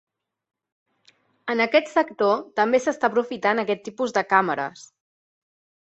En aquest sector també s'està aprofitant aquest tipus de càmeres.